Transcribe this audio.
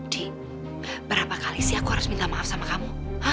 di beberapa kali sih aku harus minta maaf sama kamu